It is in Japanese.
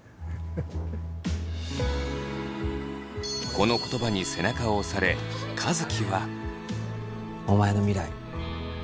この言葉に背中を押され和樹は。